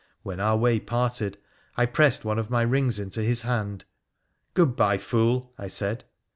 When our way parted I pressed one of my rings into his hand. ' Good bye, fool !' I said.